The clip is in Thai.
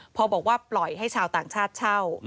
พอบอกว่าปล่อยให้ชาวต่างชาติเช่า